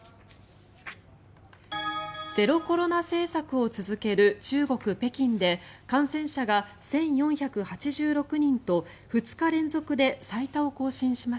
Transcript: ゼロコロナ政策を続ける中国・北京で感染者が１４８６人と２日連続で最多を更新しました。